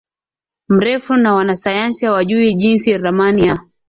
mrefu na Wanasayansi hawajui Jinsi Ramani ya